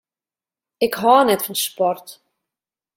Ik hâld net fan sport.